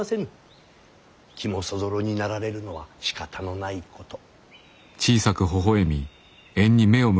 気もそぞろになられるのはしかたのないこと。